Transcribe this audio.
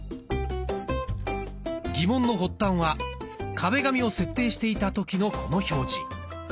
疑問の発端は壁紙を設定していた時のこの表示。